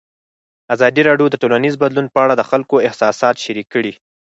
ازادي راډیو د ټولنیز بدلون په اړه د خلکو احساسات شریک کړي.